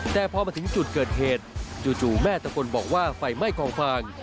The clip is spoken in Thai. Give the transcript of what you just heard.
แต่พอมาถึงจุดเกิดเหตุจู่แม่ตะโกนบอกว่าไฟไหม้กองฟาง